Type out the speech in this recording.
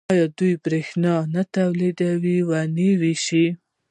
آیا دوی بریښنا نه تولیدوي او نه یې ویشي؟